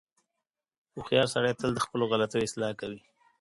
• هوښیار سړی تل د خپلو غلطیو اصلاح کوي.